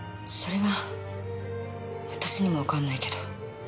それは私にもわかんないけど。